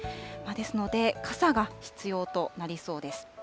ですので、傘が必要となりそうです。